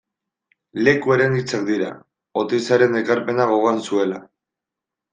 Lekueren hitzak dira, Oteizaren ekarpena gogoan zuela.